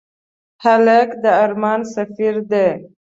هلک د ارمان سفر دی.